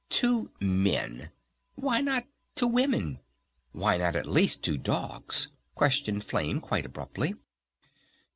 To "Men"? Why not to Women? Why not at least to "Dogs?" questioned Flame quite abruptly.